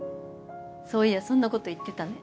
そういやそんなこと言ってたね。